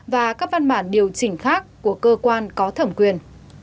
và các văn bản điều chỉnh khác của cơ quan có thẩm quyền